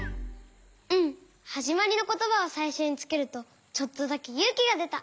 うんはじまりのことばをさいしょにつけるとちょっとだけゆうきがでた。